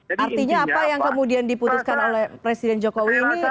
artinya apa yang kemudian diputuskan oleh presiden jokowi ini